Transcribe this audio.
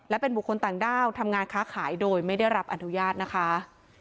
และเป็นบุคคลต่างด้าวทำงานค้าขายโดยไม่ได้รับอนุญาตนะคะ